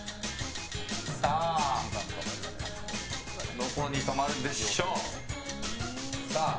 さあ、どこに止まるでしょう。